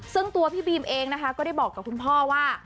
ซึ่งตัวพี่บีมเองนะคะก็ได้บอกกับคุณพ่อว่า